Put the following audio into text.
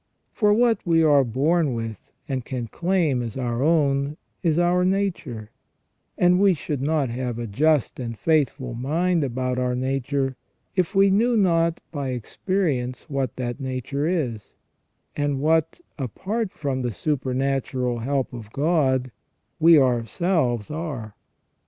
For what we are born with, and can claim as our own, is our nature, and we should not have a just and faithful mind about our nature if we knew not by experience what that nature is, and what, apart from the super natural help of God, we ourselves are.